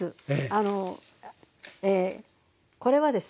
あのこれはですね